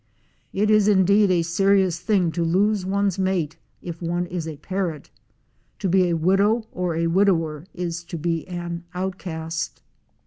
It is indeed a serious thing to loose one's mate if one is a parrot! To be a widow or a widower is to be an outcast.